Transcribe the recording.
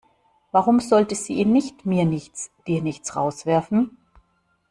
Warum sollte sie ihn nicht mir nichts, dir nichts rauswerfen?